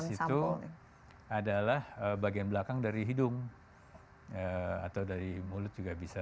yang dites itu adalah bagian belakang dari hidung atau mulut juga bisa